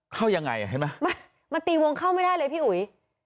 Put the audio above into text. เข้ายังไงเห็นไหมมันตีวงเข้าไม่ได้เลยพี่อุ๋ย